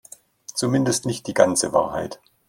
Zumindest nicht die ganze Wahrheit.